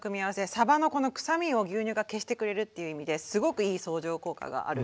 さばのこの臭みを牛乳が消してくれるっていう意味ですごくいい相乗効果がある。